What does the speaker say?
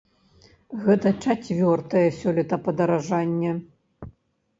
Гэта чацвёртае сёлета падаражанне.